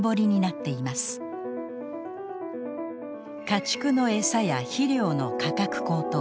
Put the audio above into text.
家畜のエサや肥料の価格高騰。